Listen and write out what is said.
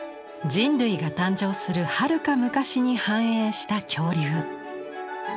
人類が誕生するはるか昔に繁栄した恐竜。